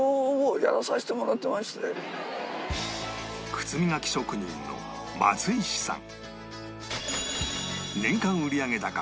靴磨き職人の松石さん